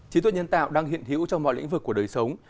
trí tuệ nhân tạo đang hiện hữu trong mọi lĩnh vực của đời sống